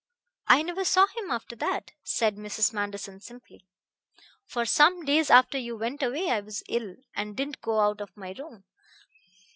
"I never saw him after that," said Mrs. Manderson simply. "For some days after you went away I was ill, and didn't go out of my room.